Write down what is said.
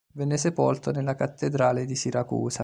Venne sepolto nella cattedrale di Siracusa.